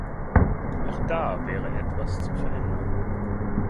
Auch da wäre etwas zu verändern.